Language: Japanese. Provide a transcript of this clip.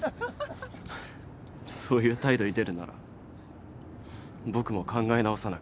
そういう態度に出るなら僕も考え直さなきゃ。